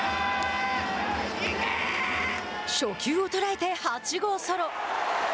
初球を捉えて８号ソロ。